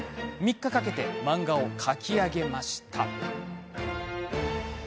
３日かけて漫画を描き上げました。